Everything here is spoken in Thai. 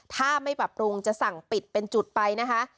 ถ้าไม่ปรับปรุงจะสั่งปิดเป็นจุดไปนะคะ